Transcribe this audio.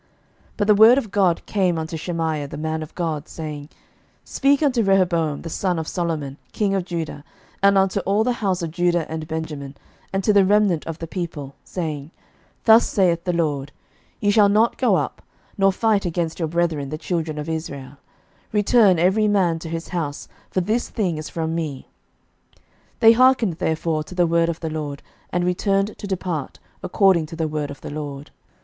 11:012:022 But the word of God came unto Shemaiah the man of God, saying, 11:012:023 Speak unto Rehoboam, the son of Solomon, king of Judah, and unto all the house of Judah and Benjamin, and to the remnant of the people, saying, 11:012:024 Thus saith the LORD, Ye shall not go up, nor fight against your brethren the children of Israel: return every man to his house; for this thing is from me. They hearkened therefore to the word of the LORD, and returned to depart, according to the word of the LORD.